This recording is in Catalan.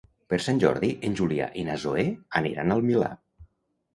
Per Sant Jordi en Julià i na Zoè aniran al Milà.